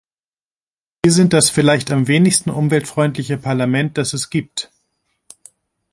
Wir sind das vielleicht am wenigsten umweltfreundliche Parlament, das es gibt.